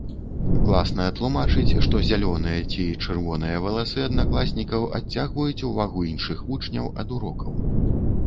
Класная тлумачыць, што зялёныя ці чырвоныя валасы аднакласнікаў адцягваюць увагу іншых вучняў ад урокаў.